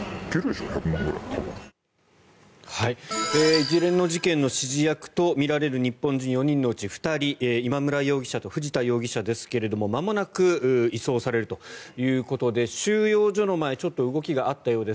一連の事件の指示役とみられる日本人４人のうち２人今村容疑者と藤田容疑者ですがまもなく移送されるということで収容所の前ちょっと動きがあったようです。